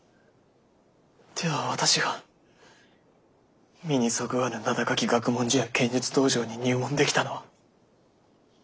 では私が身にそぐわぬ名高き学問所や剣術道場に入門できたのは。